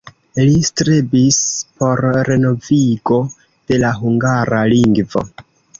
Li strebis por renovigo de la hungara lingvo.